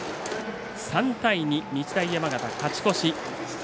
３対２、日大山形、勝ち越し。